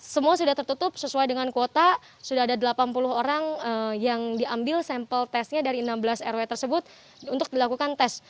semua sudah tertutup sesuai dengan kuota sudah ada delapan puluh orang yang diambil sampel testnya dari enam belas rw tersebut untuk dilakukan tes